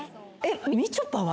みちょぱは？